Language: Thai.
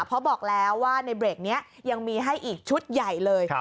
เพราะบอกแล้วว่าในเบรกนี้ยังมีให้อีกชุดใหญ่เลย